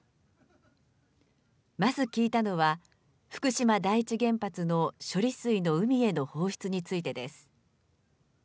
まず聞いたのは、福島第一原発の処理水の海への放出についてです。